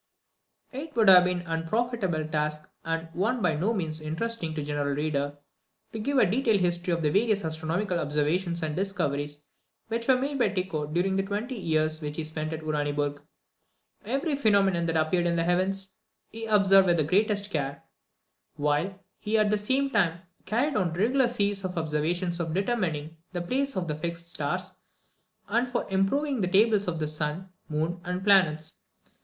This office had been usually conferred on the King's Chancellor. It would be an unprofitable task, and one by no means interesting to the general reader, to give a detailed history of the various astronomical observations and discoveries which were made by Tycho during the twenty years that he spent at Uraniburg. Every phenomenon that appeared in the heavens, he observed with the greatest care; while he at the same time carried on regular series of observations for determining the places of the fixed stars, and for improving the tables of the sun, moon, and planets.